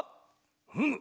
うむ。